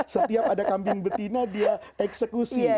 setiap ada kambing betina dia eksekusi